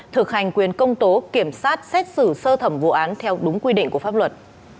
thực hành quyền công tố kiểm soát xét xử sơ thẩm vụ án theo đúng quy định của pháp luật